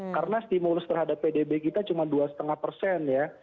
karena stimulus terhadap pdb kita cuma dua lima persen ya